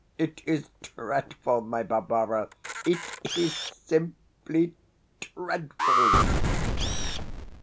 It is dreadful, my Barbara it is simply dreadful!